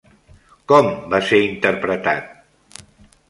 Com va ser interpretat?